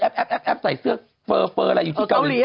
แป๊บใส่เสื้อเฟอร์อะไรอยู่ที่เกาหลี